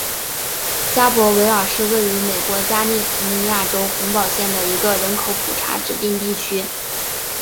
加伯维尔是位于美国加利福尼亚州洪堡县的一个人口普查指定地区。